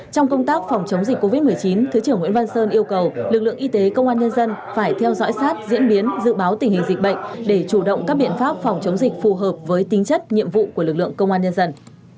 trong công tác phòng chống dịch covid một mươi chín thứ trưởng nguyễn văn sơn yêu cầu lực lượng y tế công an nhân dân phải theo dõi sát diễn biến dự báo tình hình dịch bệnh để chủ động các biện pháp phòng chống dịch phù hợp với tính chất nhiệm vụ của lực lượng công an nhân dân